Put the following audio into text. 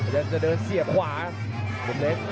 ยังจะเดินเสียบขวาคนเล็ก